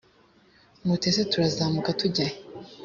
muti ese turazamuka tujya he?